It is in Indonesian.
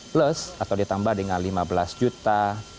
plus atau ditambah dengan lima belas juta